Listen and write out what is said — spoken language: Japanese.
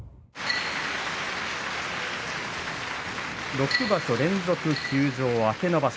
６場所連続休場明けの場所。